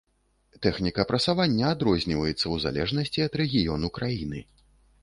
Тэхніка прасавання адрозніваецца ў залежнасці ад рэгіёну краіны.